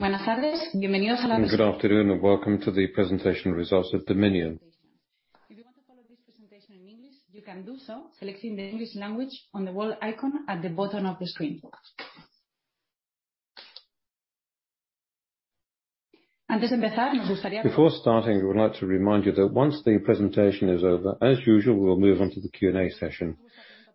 Good afternoon, and welcome to the presentation results of Dominion. If you want to follow this presentation in English, you can do so selecting the English language on the world icon at the bottom of the screen. Before starting, we would like to remind you that once the presentation is over, as usual, we will move on to the Q&A session.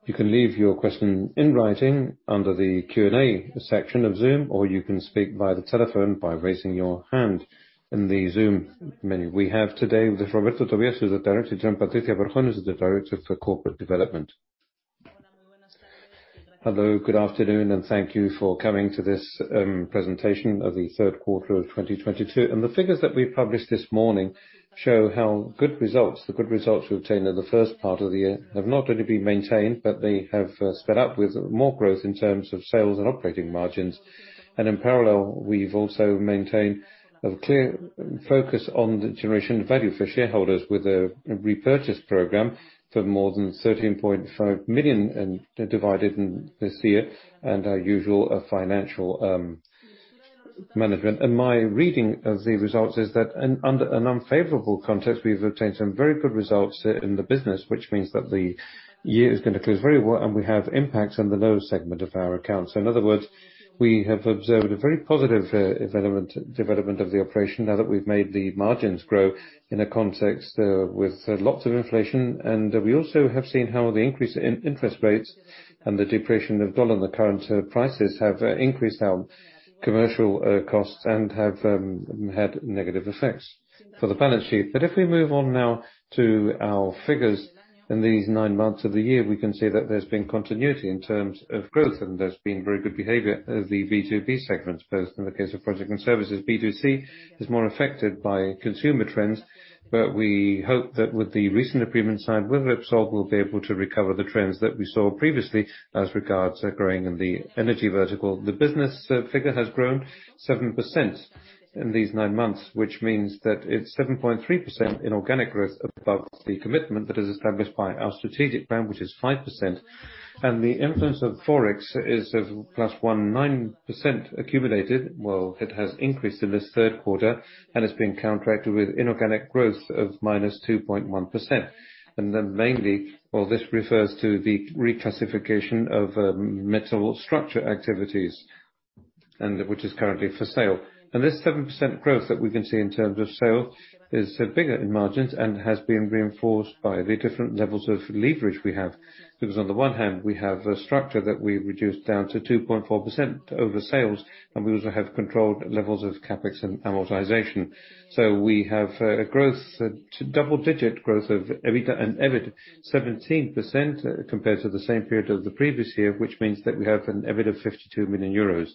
You can leave your question in writing under the Q&A section of Zoom, or you can speak via the telephone by raising your hand in the Zoom menu. We have today with us, Roberto Tobillas, who's the director, and Patricia Berjón, who's the director for corporate development. Hello, good afternoon, and thank you for coming to this presentation of the third quarter of 2022. The figures that we published this morning show the good results we obtained in the first part of the year have not only been maintained, but they have sped up with more growth in terms of sales and operating margins. In parallel, we've also maintained a clear focus on generating value for shareholders with a repurchase program for more than 13.5 million and dividend in this year and our usual financial management. My reading of the results is that under an unfavorable context, we've obtained some very good results in the business, which means that the year is going to close very well, and we have impacts on the low segment of our accounts. In other words, we have observed a very positive development of the operation now that we've made the margins grow in a context with lots of inflation. We also have seen how the increase in interest rates and the depreciation of the dollar and the copper prices have increased our commercial costs and have had negative effects for the balance sheet. If we move on now to our figures in these nine months of the year, we can see that there's been continuity in terms of growth, and there's been very good behavior of the B2B segment, both in the case of project and services. B2C is more affected by consumer trends, but we hope that with the recent agreement signed with Repsol, we'll be able to recover the trends that we saw previously as regards growing in the energy vertical. The business figure has grown 7% in these nine months, which means that it's 7.3% in organic growth above the commitment that is established by our strategic plan, which is 5%. The influence of Forex is +1.9% accumulated. Well, it has increased in this third quarter and is being counteracted with inorganic growth of -2.1%. Mainly, well, this refers to the reclassification of metal structures activities, which is currently for sale. This 7% growth that we can see in terms of sales is bigger in margins and has been reinforced by the different levels of leverage we have. Because on the one hand, we have a structure that we reduced down to 2.4% over sales, and we also have controlled levels of CapEx and amortization. We have double-digit growth of EBITDA and EBIT, 17% compared to the same period of the previous year, which means that we have an EBIT of 52 million euros.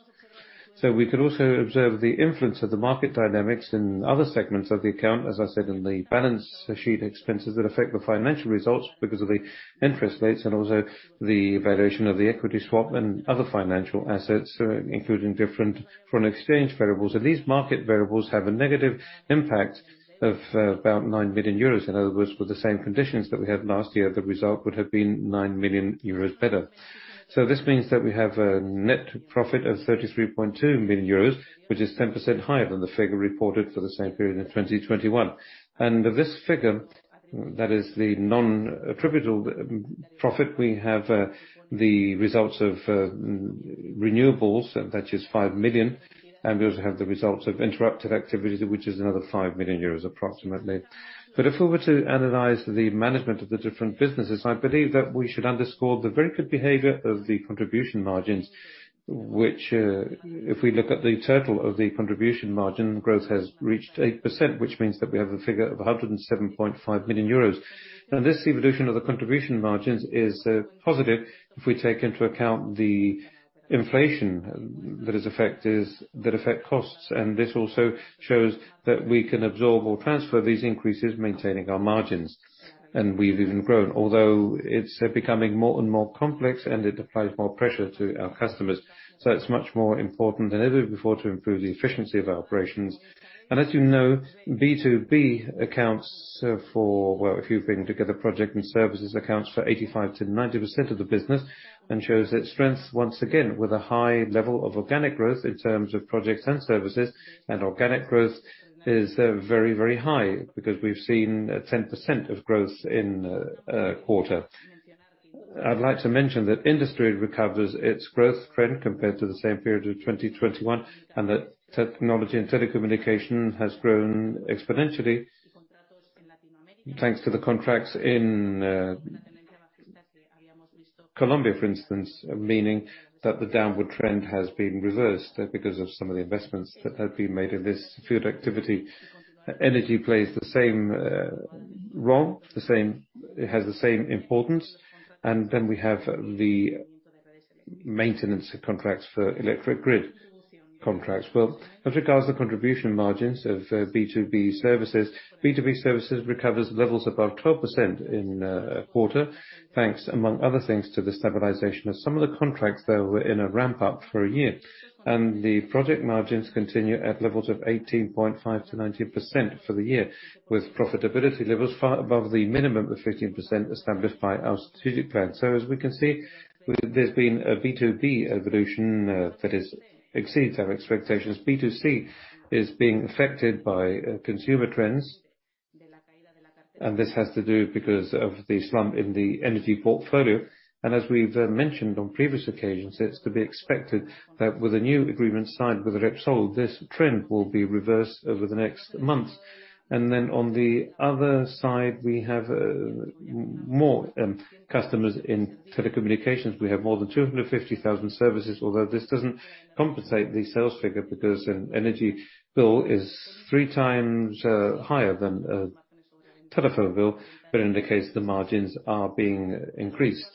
We could also observe the influence of the market dynamics in other segments of the account, as I said, in the balance sheet expenses that affect the financial results because of the interest rates and also the valuation of the equity swap and other financial assets, including different foreign exchange variables. These market variables have a negative impact of about 9 million euros. In other words, with the same conditions that we had last year, the result would have been 9 million euros better. This means that we have a net profit of 33.2 million euros, which is 10% higher than the figure reported for the same period in 2021. This figure, that is the non-attributable profit, we have the results of renewables, that is 5 million, and we also have the results of interrupted activities, which is another 5 million euros approximately. If we were to analyze the management of the different businesses, I believe that we should underscore the very good behavior of the contribution margins, which, if we look at the total of the contribution margin, growth has reached 8%, which means that we have a figure of 107.5 million euros. Now, this evolution of the contribution margins is positive if we take into account the inflation that affect costs. This also shows that we can absorb or transfer these increases, maintaining our margins. We've even grown, although it's becoming more and more complex, and it applies more pressure to our customers. It's much more important than ever before to improve the efficiency of our operations. As you know, B2B accounts for, well, if you bring together project and services, accounts for 85%-90% of the business and shows its strength once again with a high level of organic growth in terms of projects and services. Organic growth is, very, very high because we've seen 10% of growth in a quarter. I'd like to mention that industry recovers its growth trend compared to the same period of 2021, and that technology and telecommunications has grown exponentially, thanks to the contracts in Colombia, for instance, meaning that the downward trend has been reversed because of some of the investments that have been made in this field activity. Energy plays the same role. It has the same importance. Then we have the maintenance contracts for electric grid contracts. Well, as regards the contribution margins of B2B services, B2B services recovers levels above 12% in a quarter, thanks, among other things, to the stabilization of some of the contracts that were in a ramp-up for a year. The project margins continue at levels of 18.5%-19% for the year, with profitability levels far above the minimum of 15% established by our strategic plan. As we can see, there's been a B2B evolution that has exceeded our expectations. B2C is being affected by consumer trends. This has to do because of the slump in the energy portfolio. As we've mentioned on previous occasions, it's to be expected that with a new agreement signed with Repsol, this trend will be reversed over the next months. On the other side, we have more customers in telecommunications. We have more than 250,000 services, although this doesn't compensate the sales figure because an energy bill is 3x higher than a telephone bill, but indicates the margins are being increased.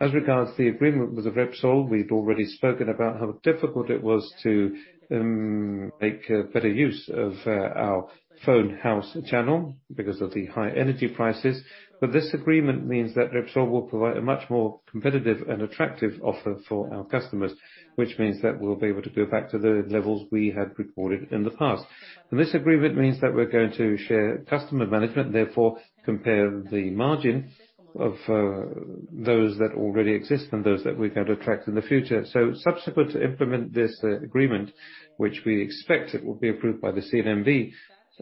As regards to the agreement with Repsol, we've already spoken about how difficult it was to make a better use of our The Phone House channel because of the high energy prices. This agreement means that Repsol will provide a much more competitive and attractive offer for our customers, which means that we'll be able to go back to the levels we had reported in the past. This agreement means that we're going to share customer management, therefore comparable margins of those that already exist and those that we're going to attract in the future. Subsequent to implement this agreement, which we expect it will be approved by the CNMV,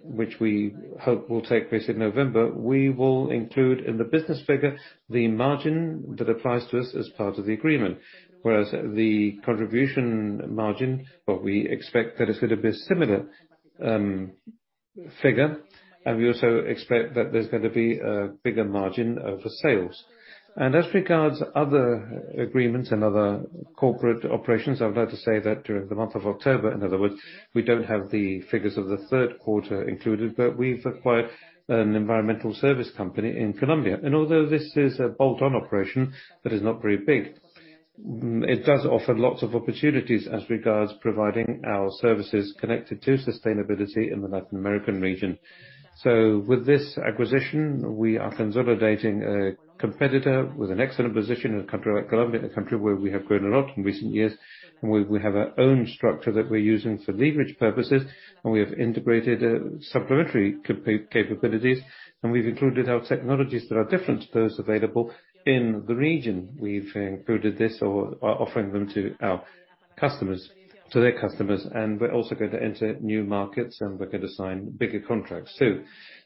which we hope will take place in November, we will include in the business figure the margin that applies to us as part of the agreement. Whereas the contribution margin, what we expect that is going to be a similar figure. We also expect that there's gonna be a bigger margin for sales. As regards other agreements and other corporate operations, I would like to say that during the month of October, in other words, we don't have the figures of the third quarter included, but we've acquired an environmental service company in Colombia. Although this is a bolt-on operation that is not very big, it does offer lots of opportunities as regards providing our services connected to sustainability in the Latin American region. With this acquisition, we are consolidating a competitor with an excellent position in a country like Colombia, in a country where we have grown a lot in recent years, and we have our own structure that we're using for leverage purposes, and we have integrated supplementary capabilities, and we've included our technologies that are different to those available in the region. We've included this or are offering them to our customers, to their customers, and we're also going to enter new markets, and we're going to sign bigger contracts, too.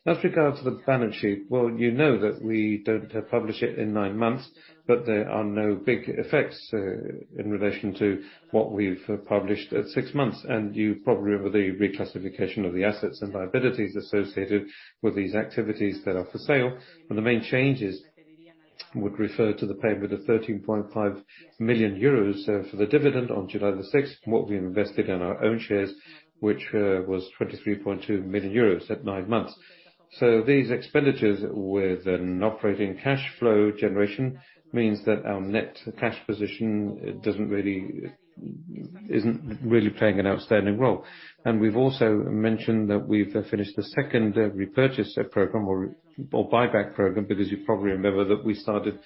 As regards to the balance sheet, well, you know that we don't publish it in nine months, but there are no big effects in relation to what we've published at six months. You probably remember the reclassification of the assets and liabilities associated with these activities that are for sale. The main changes would refer to the payment of 13.5 million euros for the dividend on July the sixth, what we invested in our own shares, which was 23.2 million euros at nine months. These expenditures with an operating cash flow generation means that our net cash position isn't really playing an outstanding role. We've also mentioned that we've finished the second repurchase program or buyback program, because you probably remember that we started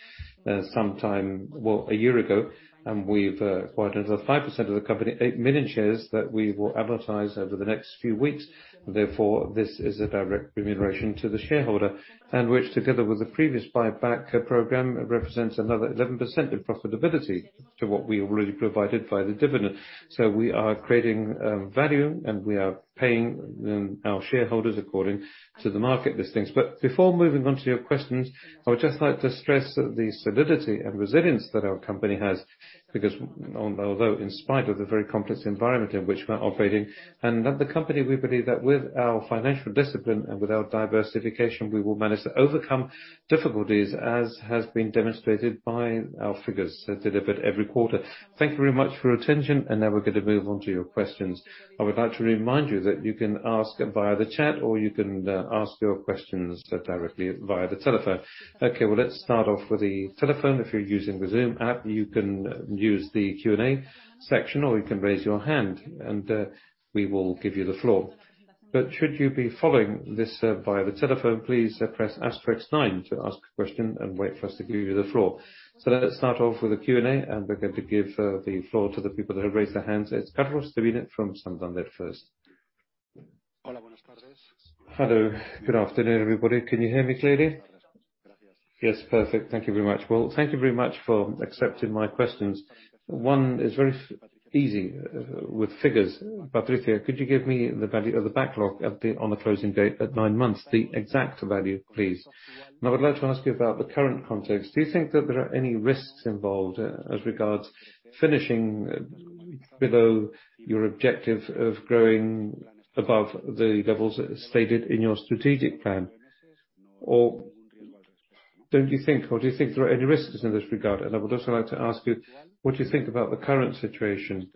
some time, well, a year ago, and we've acquired over 5% of the company, 8 million shares that we will advertise over the next few weeks. Therefore, this is a direct remuneration to the shareholder, and which, together with the previous buyback program, represents another 11% of profitability to what we already provided via the dividend. We are creating value, and we are paying our shareholders according to the market listings. Before moving on to your questions, I would just like to stress the solidity and resilience that our company has, because although in spite of the very complex environment in which we're operating, and at the company, we believe that with our financial discipline and with our diversification, we will manage to overcome difficulties as has been demonstrated by our figures delivered every quarter. Thank you very much for your attention, and now we're going to move on to your questions. I would like to remind you that you can ask via the chat or you can ask your questions directly via the telephone. Okay, well, let's start off with the telephone. If you're using the Zoom app, you can use the Q&A section, or you can raise your hand and we will give you the floor. Should you be following this via the telephone, please press asterisk nine to ask a question and wait for us to give you the floor. Let's start off with the Q&A, and we're going to give the floor to the people that have raised their hands. It's Carlos Tobar from Santander first. Hello. Good afternoon, everybody. Can you hear me clearly? Yes, perfect. Thank you very much. Well, thank you very much for accepting my questions. One is very easy with figures. Patricia, could you give me the value of the backlog on the closing date at nine months? The exact value, please. I would like to ask you about the current context. Do you think that there are any risks involved, as regards finishing below your objective of growing above the levels as stated in your strategic plan? Or do you think there are any risks in this regard? I would also like to ask you, what do you think about the current situation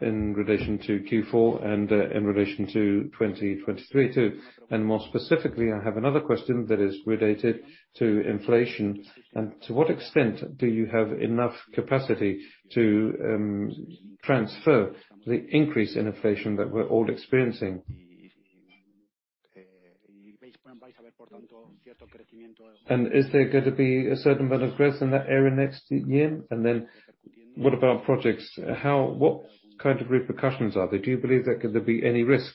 in relation to Q4 and in relation to 2023 too. More specifically, I have another question that is related to inflation. To what extent do you have enough capacity to transfer the increase in inflation that we're all experiencing? Is there gonna be a certain amount of growth in that area next year? What about projects? What kind of repercussions are they? Do you believe there could be any risk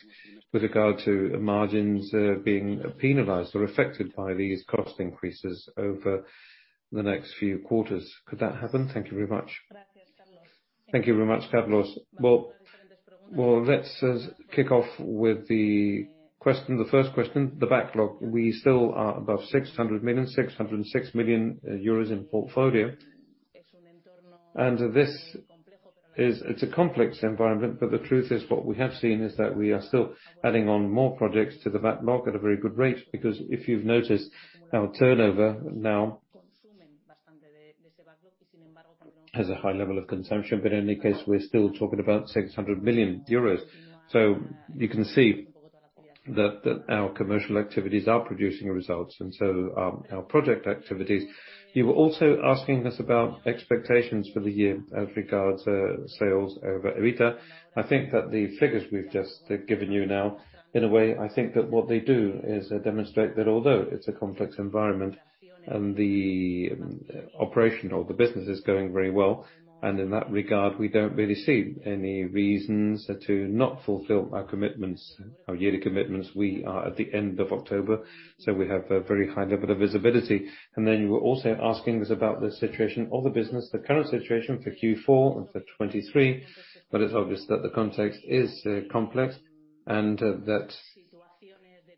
with regard to margins, being penalized or affected by these cost increases over the next few quarters? Could that happen? Thank you very much. Thank you very much, Carlos. Well, let's kick off with the first question, the backlog. We still are above 600 million, 606 million euros in portfolio. It's a complex environment, but the truth is what we have seen is that we are still adding on more projects to the backlog at a very good rate, because if you've noticed, our turnover now has a high level of consumption. In any case, we're still talking about 600 million euros. You can see that our commercial activities are producing results and so are our project activities. You were also asking us about expectations for the year as regards sales over EBITDA. I think that the figures we've just given you now, in a way, I think that what they do is demonstrate that although it's a complex environment and the operation or the business is going very well, and in that regard, we don't really see any reasons to not fulfill our commitments, our yearly commitments. We are at the end of October, so we have a very high level of visibility. You were also asking us about the situation of the business, the current situation for Q4 and for 2023. It's obvious that the context is complex and that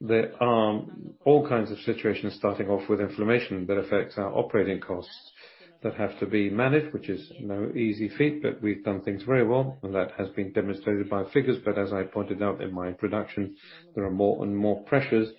there are all kinds of situations starting off with inflation that affects our operating costs that have to be managed, which is no easy feat. We've done things very well, and that has been demonstrated by figures. As I pointed out in my introduction, there are more and more pressures,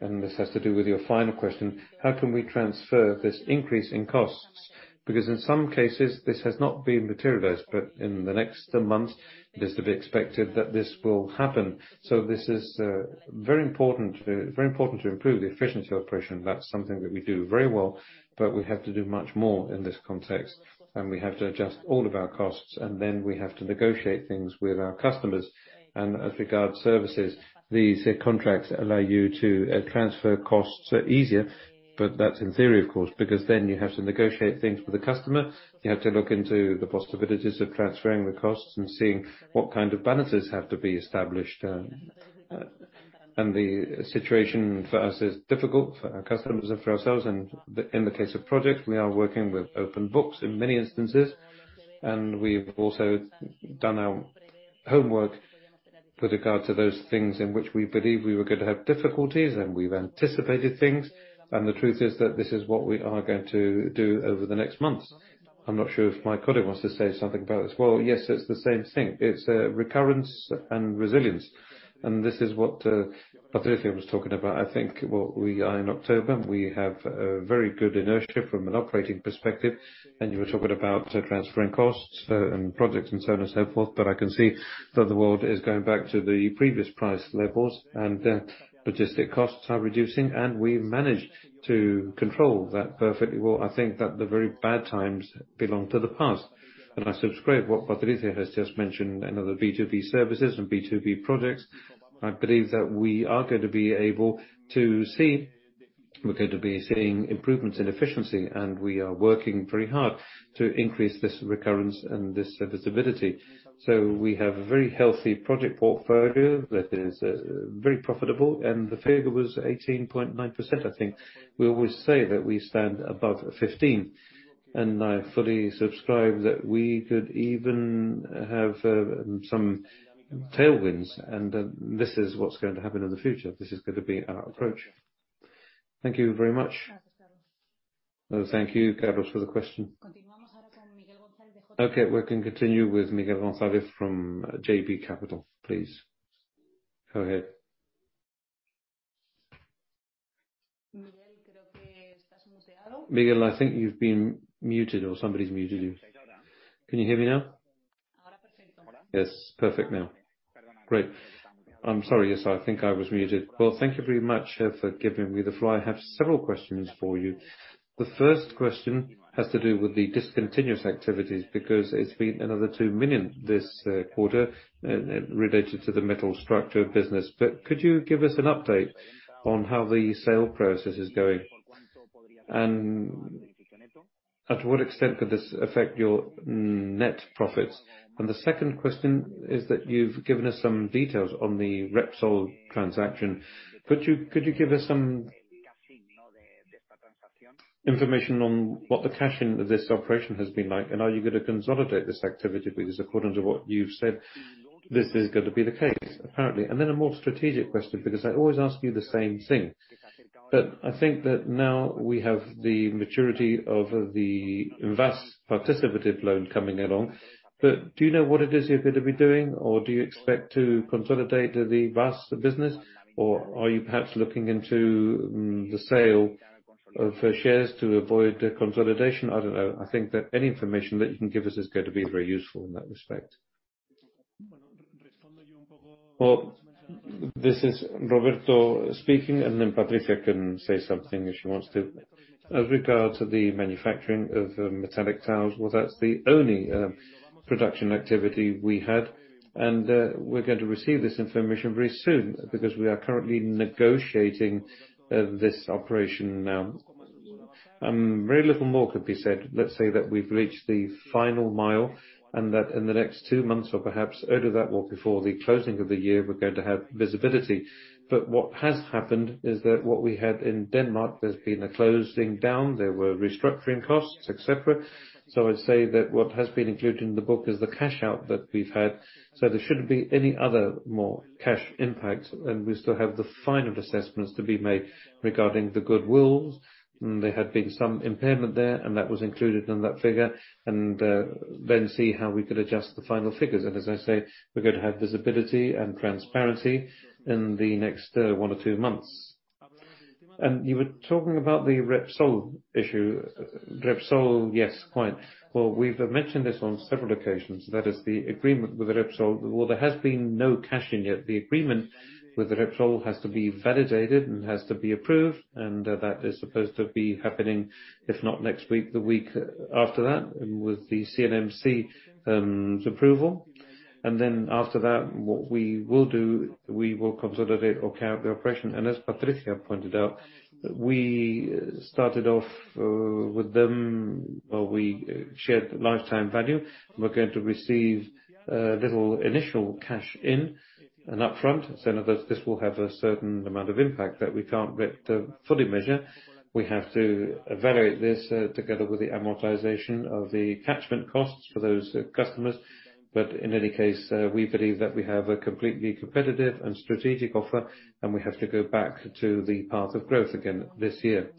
and this has to do with your final question, how can we transfer this increase in costs? Because in some cases, this has not been materialized, but in the next months, it is to be expected that this will happen. This is very important to improve the efficiency operation. That's something that we do very well, but we have to do much more in this context, and we have to adjust all of our costs, and then we have to negotiate things with our customers. As regards services, these contracts allow you to transfer costs easier. That's in theory, of course, because then you have to negotiate things with the customer. You have to look into the possibilities of transferring the costs and seeing what kind of balances have to be established. The situation for us is difficult for our customers and for ourselves. In the case of projects, we are working with open books in many instances, and we've also done our homework with regard to those things in which we believe we were going to have difficulties and we've anticipated things. The truth is that this is what we are going to do over the next months. I'm not sure if my colleague wants to say something about this. Well, yes, it's the same thing. It's recurrence and resilience. This is what Patricia was talking about. I think what we are in October, we have a very good inertia from an operating perspective. You were talking about transferring costs, and projects and so on and so forth, but I can see that the world is going back to the previous price levels and, logistic costs are reducing, and we managed to control that perfectly well. I think that the very bad times belong to the past, and I subscribe what Patricia has just mentioned in other B2B services and B2B projects. I believe that we are going to be able to see. We're going to be seeing improvements in efficiency, and we are working very hard to increase this recurrence and this visibility. We have a very healthy project portfolio that is, very profitable, and the figure was 18.9%, I think. We always say that we stand above 15%, and I fully subscribe that we could even have some tailwinds, and this is what's going to happen in the future. This is gonna be our approach. Thank you very much. Thank you, Carlos, for the question. Okay, we can continue with Miguel González from JB Capital, please. Go ahead. Miguel, I think you've been muted or somebody's muted you. Can you hear me now? Yes, perfect now. Great. I'm sorry. Yes, I think I was muted. Well, thank you very much for giving me the floor. I have several questions for you. The first question has to do with the discontinuous activities, because it's been another 2 million this quarter related to the metal structures business. Could you give us an update on how the sale process is going? To what extent could this affect your net profits? The second question is that you've given us some details on the Repsol transaction. Could you give us some information on what the cash-in of this operation has been like? Are you going to consolidate this activity? Because according to what you've said, this is going to be the case, apparently. Then a more strategic question, because I always ask you the same thing, but I think that now we have the maturity of the VAS participative loan coming along. Do you know what it is you're going to be doing, or do you expect to consolidate the VAS business, or are you perhaps looking into the sale of shares to avoid consolidation? I don't know. I think that any information that you can give us is going to be very useful in that respect. Well, this is Roberto speaking, and then Patricia can say something if she wants to. As regard to the manufacturing of metallic towers, well, that's the only production activity we had. We're going to receive this information very soon because we are currently negotiating this operation now. Very little more could be said. Let's say that we've reached the final mile, and that in the next two months, or perhaps earlier that, or before the closing of the year, we're going to have visibility. What has happened is that what we had in Denmark, there's been a closing down, there were restructuring costs, et cetera. I'd say that what has been included in the book is the cash out that we've had, so there shouldn't be any other more cash impact. We still have the final assessments to be made regarding the goodwill. There had been some impairment there, and that was included in that figure, and then see how we could adjust the final figures. As I say, we're going to have visibility and transparency in the next one or two months. You were talking about the Repsol issue. Repsol, yes. Quite. Well, we've mentioned this on several occasions. That is the agreement with Repsol. Well, there has been no cash in yet. The agreement with Repsol has to be validated and has to be approved, and that is supposed to be happening, if not next week, the week after that, and with the CNMC approval. Then after that, what we will do, we will consolidate or account the operation. As Patricia pointed out, we started off with them while we shared lifetime value. We're going to receive little initial cash inflow and upfront. This will have a certain amount of impact that we can't yet fully measure. We have to evaluate this together with the amortization of the catchment costs for those customers. In any case, we believe that we have a completely competitive and strategic offer, and we have to go back to the path of growth again this year.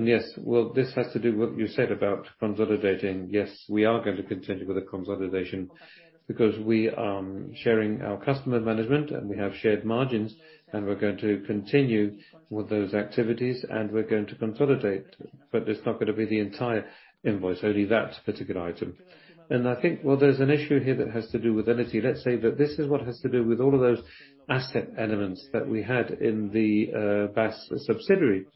Yes, well, this has to do with what you said about consolidating. Yes, we are going to continue with the consolidation because we are sharing our customer management and we have shared margins, and we're going to continue with those activities and we're going to consolidate. But it's not going to be the entire invoice, only that particular item. I think, well, there's an issue here that has to do with energy. Let's say that this is what has to do with all of those asset elements that we had in the BAS subsidiary.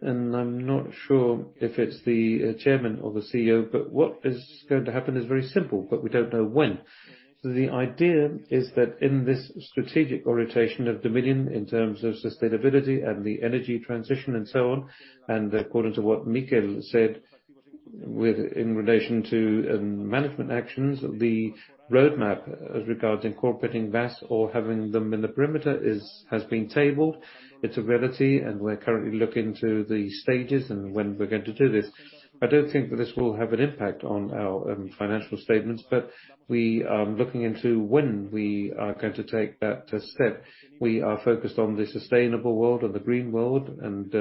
I'm not sure if it's the chairman or the CEO, but what is going to happen is very simple, but we don't know when. The idea is that in this strategic orientation of Dominion in terms of sustainability and the energy transition and so on, and according to what Mikel said with in relation to management actions, the roadmap as regards incorporating VAS or having them in the perimeter has been tabled. It's a reality, and we're currently looking to the stages and when we're going to do this. I don't think that this will have an impact on our financial statements, but we are looking into when we are going to take that step. We are focused on the sustainable world and the green world, and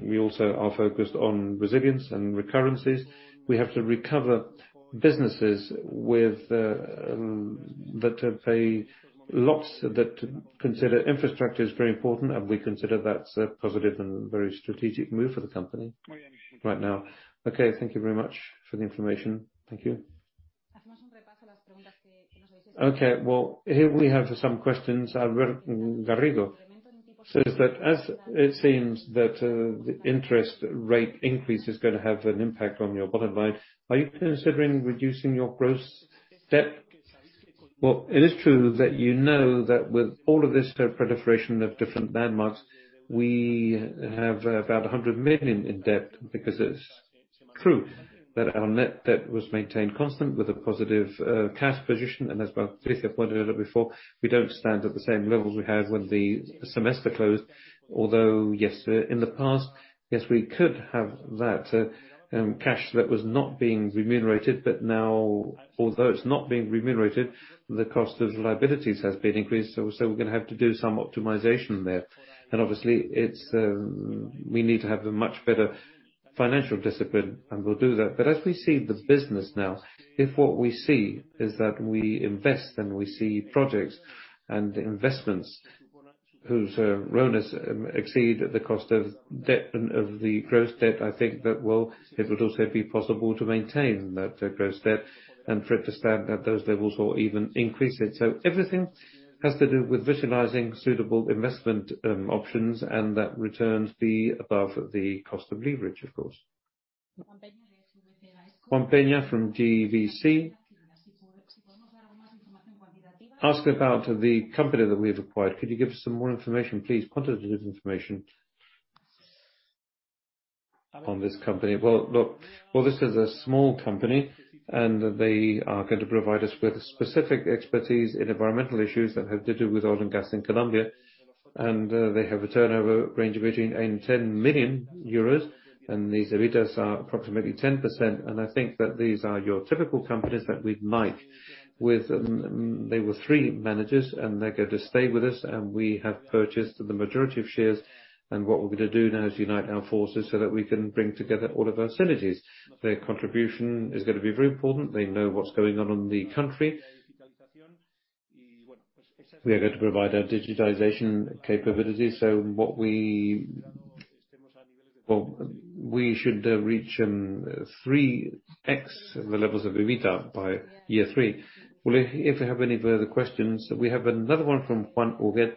we also are focused on resilience and recurrences. We have to recover businesses with that pay lots, that consider infrastructure is very important, and we consider that a positive and very strategic move for the company right now. Okay, thank you very much for the information. Thank you. Okay, well, here we have some questions. Alberto Garrido says that as it seems that the interest rate increase is going to have an impact on your bottom line, are you considering reducing your gross debt? Well, it is true that you know that with all of this proliferation of different landmarks, we have about 100 million in debt, because it's true that our net debt was maintained constant with a positive cash position. As Patricia pointed out before, we don't stand at the same levels we had when the semester closed. Although, yes, in the past, yes, we could have that cash that was not being remunerated. But now, although it's not being remunerated, the cost of liabilities has been increased. We're gonna have to do some optimization there. Obviously, it's we need to have a much better financial discipline, and we'll do that. As we see the business now, if what we see is that we invest, and we see projects and investments whose ROA exceed the cost of debt and of the gross debt, I think it would also be possible to maintain that gross debt and for it to stand at those levels or even increase it. Everything has to do with visualizing suitable investment options and that returns be above the cost of leverage, of course. Juan Peña from GVC Gaesco asked about the company that we have acquired. Could you give us some more information, please? Quantitative information on this company. This is a small company, and they are going to provide us with specific expertise in environmental issues that have to do with oil and gas in Colombia. They have a turnover range between 8 million and 10 million euros, and these EBITDA are approximately 10%. I think that these are your typical companies that we'd like with. There were three managers, and they're going to stay with us, and we have purchased the majority of shares. What we're gonna do now is unite our forces so that we can bring together all of our synergies. Their contribution is gonna be very important. They know what's going on in the country. We are going to provide our digitization capability. We should reach 3x the levels of EBITDA by year three. Well, if you have any further questions, we have another one from Juan Ogger,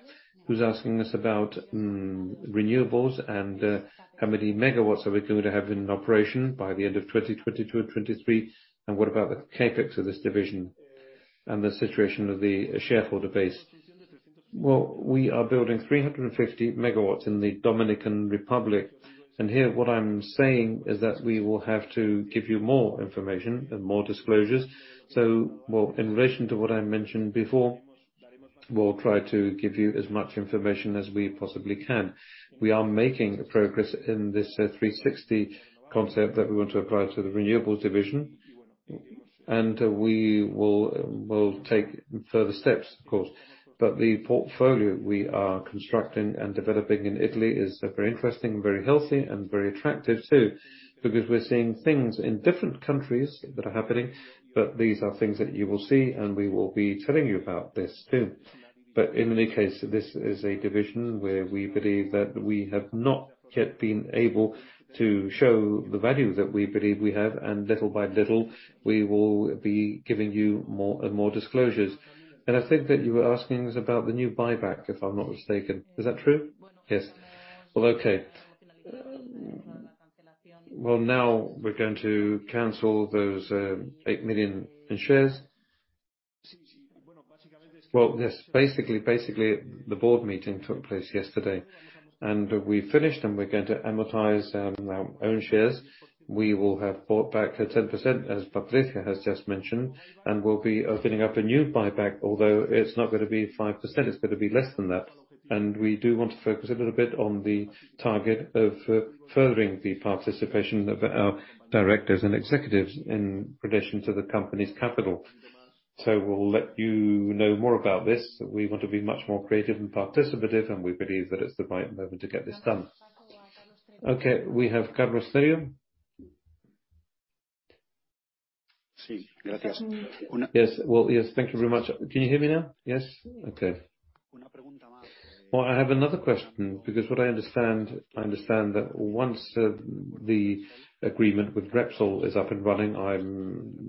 who's asking us about renewables and how many megawatts are we going to have in operation by the end of 2022 or 2023, and what about the CapEx of this division and the situation of the shareholder base. Well, we are building 350 MW in the Dominican Republic. Here, what I'm saying is that we will have to give you more information and more disclosures. Well, in relation to what I mentioned before, we'll try to give you as much information as we possibly can. We are making progress in this 360 concept that we want to apply to the renewables division. We will, we'll take further steps, of course, but the portfolio we are constructing and developing in Italy is very interesting and very healthy and very attractive too, because we're seeing things in different countries that are happening. These are things that you will see, and we will be telling you about this too. In any case, this is a division where we believe that we have not yet been able to show the value that we believe we have, and little by little, we will be giving you more and more disclosures. I think that you were asking us about the new buyback, if I'm not mistaken. Is that true? Yes. Well, okay. Well, now we're going to cancel those 8 million shares. Well, yes. Basically, the board meeting took place yesterday, and we finished, and we're going to amortize our own shares. We will have bought back 10%, as Patricia Berjón has just mentioned, and we'll be opening up a new buyback, although it's not gonna be 5%, it's gonna be less than that. We do want to focus a little bit on the target of furthering the participation of our directors and executives in relation to the company's capital. We'll let you know more about this. We want to be much more creative and participative, and we believe that it's the right moment to get this done. Okay, we have Carlos Cerio. Yes. Well, yes. Thank you very much. Can you hear me now? Yes. Okay. Well, I have another question, because what I understand that once the agreement with Repsol is up and running,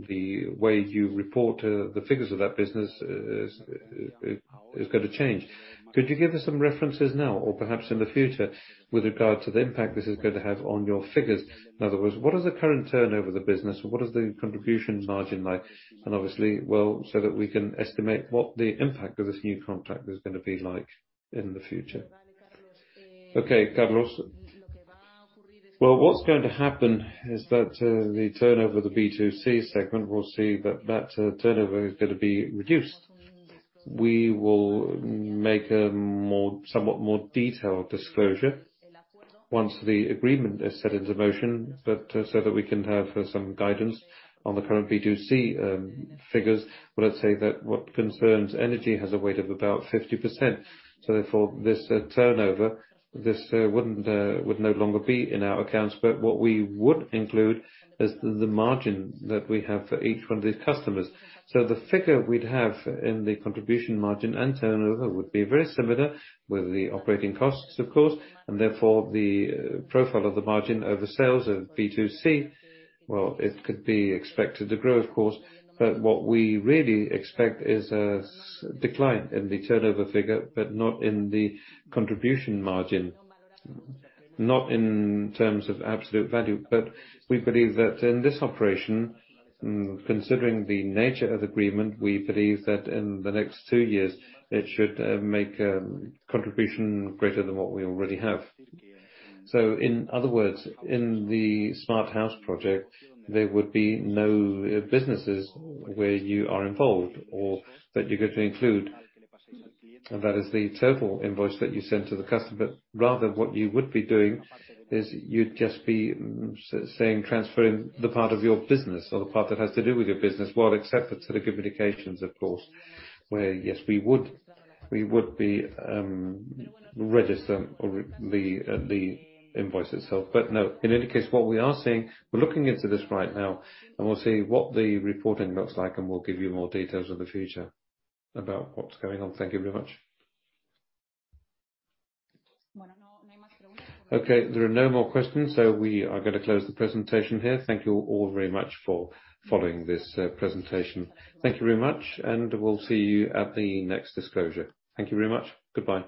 the way you report the figures of that business is gonna change. Could you give us some references now or perhaps in the future with regard to the impact this is going to have on your figures? In other words, what is the current turnover of the business? What is the contribution margin like? And obviously, well, so that we can estimate what the impact of this new contract is gonna be like in the future. Okay, Carlos. Well, what's going to happen is that the turnover of the B2C segment, we'll see that turnover is gonna be reduced. We will make a somewhat more detailed disclosure once the agreement is set into motion, but so that we can have some guidance on the current B2C figures. Let's say that what concerns energy has a weight of about 50%. Therefore, this turnover would no longer be in our accounts, but what we would include is the margin that we have for each one of these customers. The figure we'd have in the contribution margin and turnover would be very similar with the operating costs, of course, and therefore the profile of the margin over sales of B2C, well, it could be expected to grow, of course. But what we really expect is a decline in the turnover figure, but not in the contribution margin, not in terms of absolute value. We believe that in this operation, considering the nature of the agreement, we believe that in the next two years, it should make a contribution greater than what we already have. In other words, in the Smart House project, there would be no businesses where you are involved or that you're going to include. That is the total invoice that you send to the customer. Rather, what you would be doing is you'd just be saying transferring the part of your business or the part that has to do with your business, well, except for telecommunications, of course, where, yes, we would be registered or the invoice itself. No, in any case, what we are saying, we're looking into this right now, and we'll see what the reporting looks like, and we'll give you more details in the future about what's going on. Thank you very much. Okay, there are no more questions, so we are gonna close the presentation here. Thank you all very much for following this presentation. Thank you very much, and we'll see you at the next disclosure. Thank you very much. Goodbye.